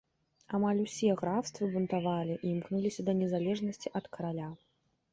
Амаль усе графствы бунтавалі і імкнуліся да незалежнасці ад караля.